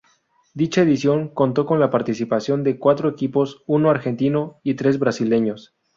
Dicha edición contó con la participación de cuatro equipos, uno argentino y tres brasileños.